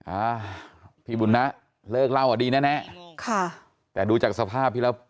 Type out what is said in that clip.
อ่าพี่บุญนะเลิกเล่าอ่ะดีแน่แน่ค่ะแต่ดูจากสภาพที่แล้ว